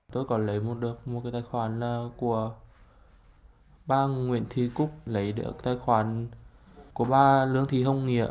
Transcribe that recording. tôi còn lấy được một cái tài khoản của bà nguyễn thị cúc lấy được tài khoản của bà lương thị hồng nghĩa